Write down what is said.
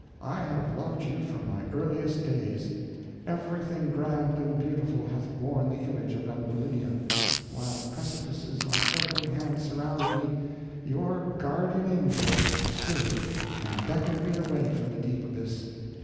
I have loved you from my earliest days; everything grand and beautiful hath borne the image of Ambulinia; while precipices on every hand surrounded me, your guardian angel stood and beckoned me away from the deep abyss.